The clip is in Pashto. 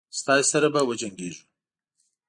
ستاسي سره به وجنګیږو.